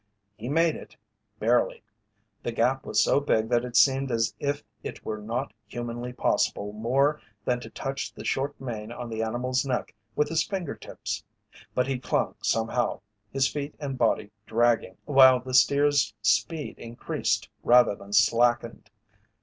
He made it barely. The gap was so big that it seemed as if it were not humanly possible more than to touch the short mane on the animal's neck with his finger tips. But he clung somehow, his feet and body dragging, while the steer's speed increased rather than slackened.